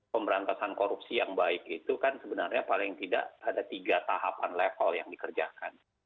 pemberantasan korupsi yang baik itu kan sebenarnya paling tidak ada tiga tahapan level yang dikerjakan